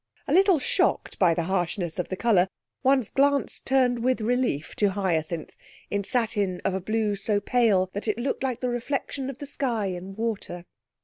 A little shocked by the harshness of the colour, one's glance turned with relief to Hyacinth, in satin of a blue so pale that it looked like the reflection of the sky in water.